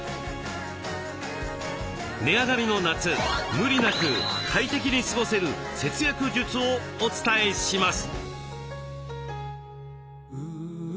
値上がりの夏無理なく快適に過ごせる節約術をお伝えします。